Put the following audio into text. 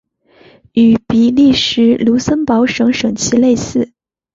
与比利时卢森堡省省旗类似。